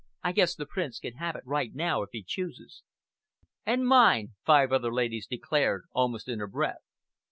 "I guess the Prince can have it right now, if he chooses." "And mine!" five other ladies declared almost in a breath.